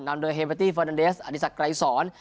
นำโดยเฮเมตตี้เฟอร์นานเดสอดีตศักดิ์ไกรศร